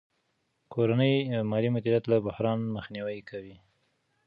کورنی مالي مدیریت له بحران مخنیوی کوي.